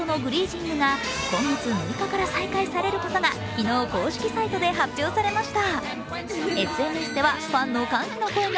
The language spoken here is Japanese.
禁止されていたドナルドとのグリーティングが今月６日から再開されることが昨日公式サイトで発表されました。